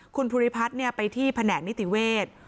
คุณภูริพัฒน์ไปที่แผนกนิติเวศ